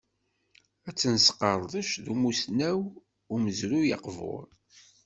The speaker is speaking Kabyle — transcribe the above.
Ad tt-nesqerdec d umusnaw n umezruy aqbur.